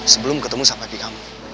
sebelum ketemu sama papi kamu